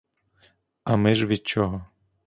А ми ж від чого?